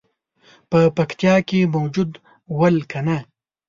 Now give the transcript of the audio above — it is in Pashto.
په پکتیا کې موجود ول کنه.